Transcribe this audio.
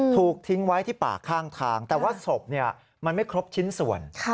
ถูกทิ้งไว้ที่ป่าข้างทางแต่ว่าศพมันไม่ครบชิ้นส่วน